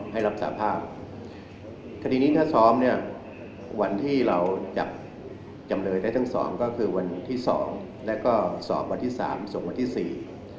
ถ้าซ้อมเนี่ยวันที่เราจับจำเลยได้ทั้งสองก็คือวันที่สองและก็สองวันที่สามสองวันที่สี่